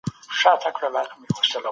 د ځان ساتني دپاره ورزش ګټور دی.